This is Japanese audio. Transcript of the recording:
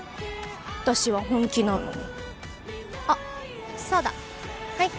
私は本気なのにあっそうだはい